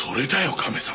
カメさん。